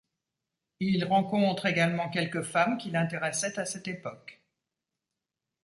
Il rencontre également quelques femmes qui l'intéressaient à cette époque.